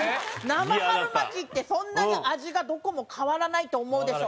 生春巻ってそんなに味がどこも変わらないと思うでしょ？